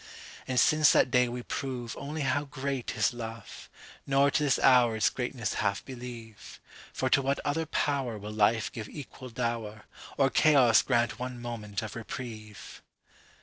'…And since that day we proveOnly how great is love, Nor to this hour its greatness half believe. For to what other powerWill life give equal dower, Or chaos grant one moment of reprieve!